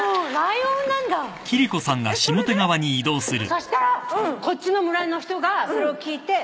そしたらこっちの村の人がそれを聞いて。